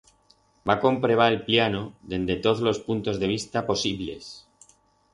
Va comprebar el pllano dende toz los puntos de vista posiblles.